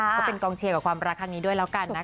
ก็เป็นกองเชียร์กับความรักครั้งนี้ด้วยแล้วกันนะคะ